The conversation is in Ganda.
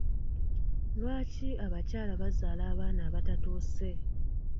Lwaki abakyala bazaala abaana abatatuuse?